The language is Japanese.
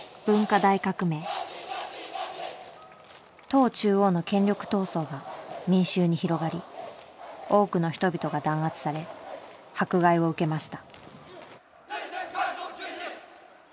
党中央の権力闘争が民衆に広がり多くの人々が弾圧され迫害を受けました。